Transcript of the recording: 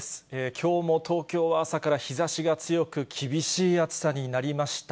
きょうも東京は朝から日ざしが強く、厳しい暑さになりました。